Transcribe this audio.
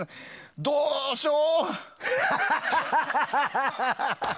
どうしよう。